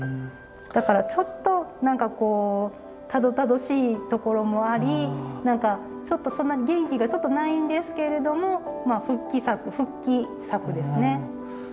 だからちょっと何かこうたどたどしいところもあり何かちょっとそんなに元気がないんですけれどもまあ復帰作復帰作ですね。